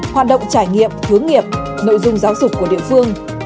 hoạt động trải nghiệm hướng nghiệp nội dung giáo dục của địa phương